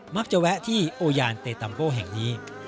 มักจะแวะที่โอญาณเตตัมโกแห่งนี้